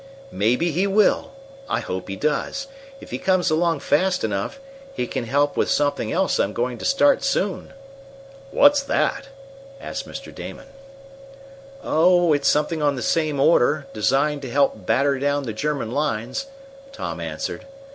"Maybe he will! I hope he does. If he comes along fast enough, he can help with something else I'm going to start soon." "Whats that?" asked Mr. Damon. "Oh, it's something on the same order, designed to help batter down the German lines," Tom answered.